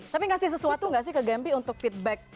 tapi kasih sesuatu gak sih ke gempy untuk feedback